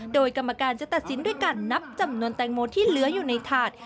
โดยกรรมการจะตัดสินด้วยการนับจำนวนแตงโมที่เหลืออยู่ในถาด